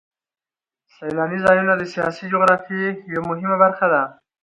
سیلاني ځایونه د سیاسي جغرافیه یوه مهمه برخه ده.